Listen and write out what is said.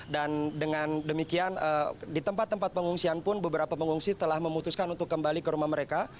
dan dengan demikian di tempat tempat pengungsian pun beberapa pengungsi telah memutuskan untuk kembali ke rumah mereka